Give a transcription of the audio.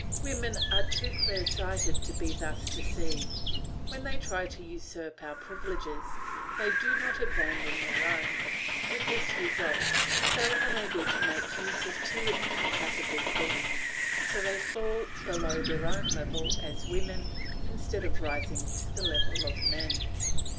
Women are too clear sighted to be thus deceived; when they try to usurp our privileges they do not abandon their own; with this result: they are unable to make use of two incompatible things, so they fall below their own level as women, instead of rising to the level of men.